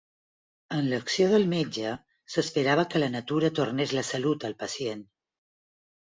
Amb l'acció del metge, s'esperava que la natura tornés la salut al pacient.